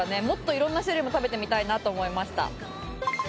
もっと色んな種類も食べてみたいなと思いました。